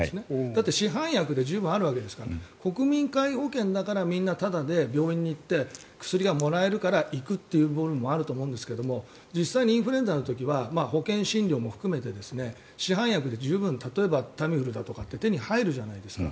だって市販薬で十分あるわけですから国民皆保険でみんなタダで病院に行って薬がもらえるから行く部分もあると思いますが実際にインフルエンザの時には保険診療も含めて市販薬で十分例えば、タミフルだとかって手に入るじゃないですか。